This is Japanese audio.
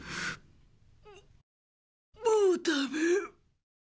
もうダメ。